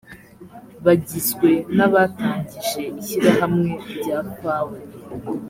bagizwe n abatangije ishyirahamwe ry fawe